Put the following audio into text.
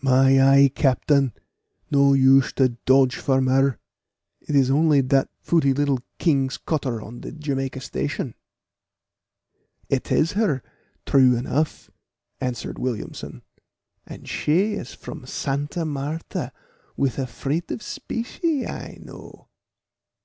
"My eye, captain, no use to dodge from her; it is only dat footy little King's cutter on de Jamaica station." "It is her, true enough," answered Williamson; "and she is from Santa Martha with a freight of specie, I know.